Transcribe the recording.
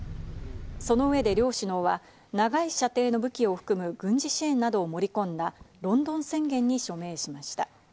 その上で両首脳は長い射程の武器を含む軍事支援などを盛り込んだロンドン宣言に署名しました。